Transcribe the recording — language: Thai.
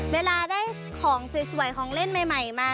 เวลาได้ของสวยของเล่นใหม่มา